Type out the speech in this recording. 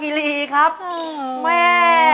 เพราะเธอชอบเมือง